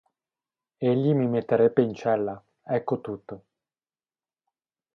Egli mi metterebbe in cella, ecco tutto.